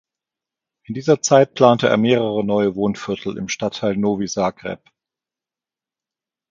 In dieser Zeit plante er mehrere neue Wohnviertel im Stadtteil Novi Zagreb.